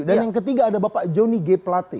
dan yang ketiga ada bapak joni g pelate